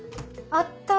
あった！